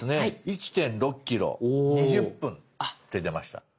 「１．６ｋｍ２０分」って出ました。